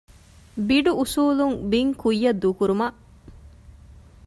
ބިޑު އުސޫލުން ބިން ކުއްޔަށް ދޫކުރުމަށް